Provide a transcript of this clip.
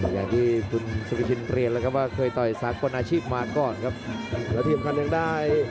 อย่างที่คุณสุภชินเรียนแล้วครับว่าเคยต่อยสากลอาชีพมาก่อนครับแล้วที่สำคัญยังได้